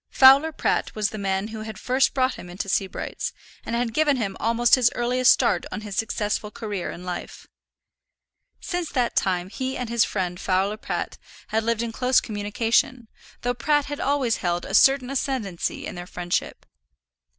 Fowler Pratt was the man who had first brought him into Sebright's, and had given him almost his earliest start on his successful career in life. Since that time he and his friend Fowler Pratt had lived in close communion, though Pratt had always held a certain ascendancy in their friendship.